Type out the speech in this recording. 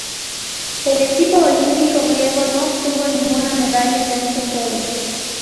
El equipo olímpico griego no obtuvo ninguna medalla en estos Juegos.